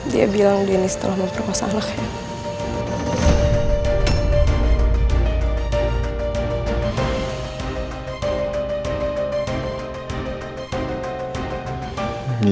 dia bilang denny setelah memperkuas anaknya